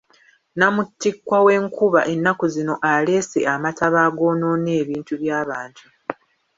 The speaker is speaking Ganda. Namuttikwa w'enkuba ennaku zino aleese amataba agoonoona ebintu by'abantu.